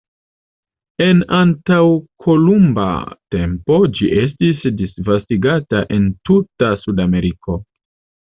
En antaŭkolumba tempo ĝi estis disvastigata en tuta Sudameriko.